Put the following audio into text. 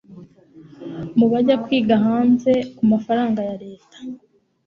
mu bajya kwiga hanze ku mafaranga ya leta